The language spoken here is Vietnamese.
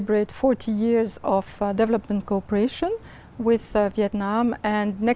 phát triển rất nhanh